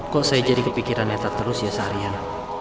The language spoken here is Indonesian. kok saya jadi kepikiran neta terus ya seharian